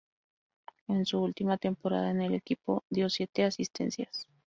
En su última temporada en el equipo, dio siete asistencias.